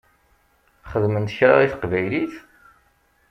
Xedment kra i teqbaylit?